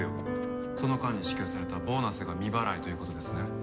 その間に支給されたボーナスが未払いという事ですね。